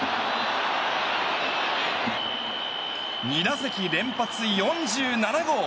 ２打席連発、４７号！